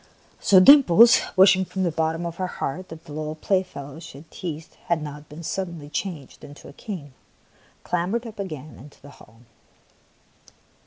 So Dimples, wishing from the bottom of her heart that the little playfellow she had teased had not been suddenly changed into a king, clambered up again into the hall.